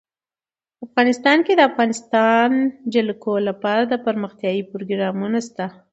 افغانستان کې د د افغانستان جلکو لپاره دپرمختیا پروګرامونه شته.